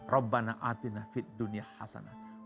rabbana a'tina fi dunya hasanah